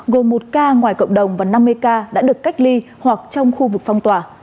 gồm một ca ngoài cộng đồng và năm mươi ca đã được cách ly hoặc trong khu vực phong tỏa